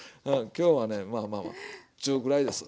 今日はねまあまあまあ中ぐらいです